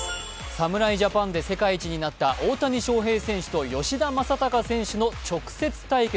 侍ジャパンで世界になった大谷翔平選手と吉田正尚選手の直接対決。